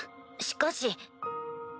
しかし。